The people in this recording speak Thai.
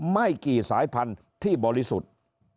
ไม่กี่สายพันธุ์ที่บริสุทธิ์